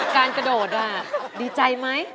การกระโดดดีใจไหม